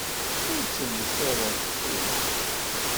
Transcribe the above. Ur ttelles ara ttxil.